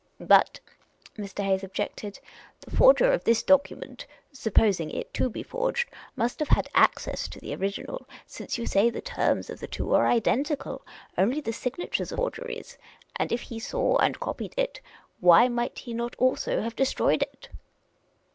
" But," Mr. Hayes objected, " the forger of this docu ment, supposing it to be forged, must have had access to the original, since you say the terms of the two are identical ; only the signatures are forgeries. And if he saw and copied it, why might he not also have destroyed it